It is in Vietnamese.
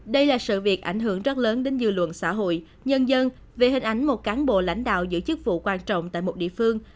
đây là sự việc ảnh hưởng rất lớn đến dư luận xã hội nhân dân về hình ảnh một cán bộ lãnh đạo giữ chức vụ quan trọng tại một địa phương